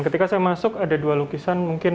ketika saya masuk ada dua lukisan mungkin